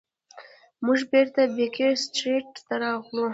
موږ بیرته بیکر سټریټ ته راغلو.